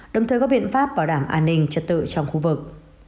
đồng thời có biện pháp bảo đảm an ninh trật tự trong khu vực